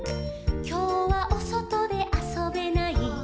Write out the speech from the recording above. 「きょうはおそとであそべない」「」